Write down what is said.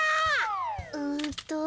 うんと。